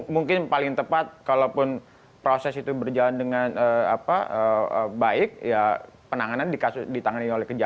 mungkin paling tepat kalaupun proses itu berjalan dengan baik ya penanganan ditangani oleh kejahatan